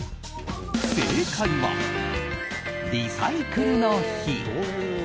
正解はリサイクルの日。